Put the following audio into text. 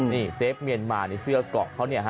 นี่เซฟเมียนมาในเสื้อเกาะเขาเนี่ยฮะ